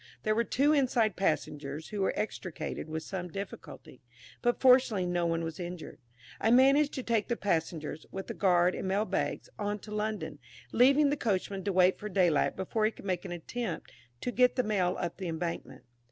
There were two inside passengers, who were extricated with some difficulty; but fortunately no one was injured. I managed to take the passengers, with the guard and mail bags, on to London, leaving the coachman to wait for daylight before he could make an attempt to get the Mail up the embankment.